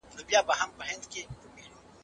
په پښتو کي د ژوند حقایق په ډېر صراحت ویل سوي دي